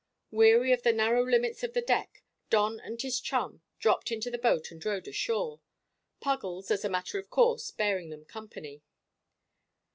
Weary of the narrow limits of the deck, Don and his chum dropped into the boat and rowed ashore Puggles, as a matter of course, bearing them company.